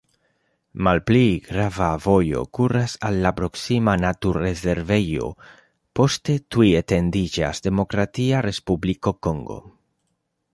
Malpli grava vojo kuras al la proksima naturrezervejo, poste tuj etendiĝas Demokratia Respubliko Kongo.